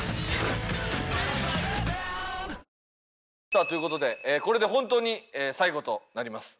さあという事でこれで本当に最後となります。